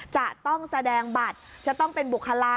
จะต้องแสดงบัตรจะต้องเป็นบุคลา